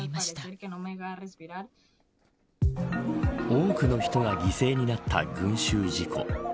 多くの人が犠牲になった群衆事故。